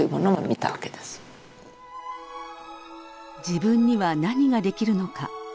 自分には何ができるのか？